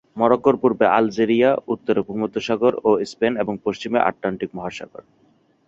মরোক্কোর পূর্বে আলজেরিয়া, উত্তরে ভূমধ্যসাগর ও স্পেন, এবং পশ্চিমে আটলান্টিক মহাসাগর।